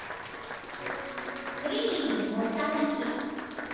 次に木管楽器。